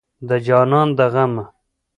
د جانان غمه